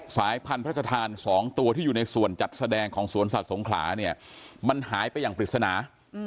สายพันธุ์พระชธาน๒ตัวที่อยู่ในส่วนจัดแสดงของสวนสัตว์สงขลาเนี่ยมันหายไปอย่างปริศนา